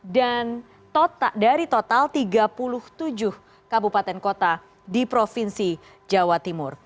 dan dari total tiga puluh tujuh kabupaten kota di provinsi jawa timur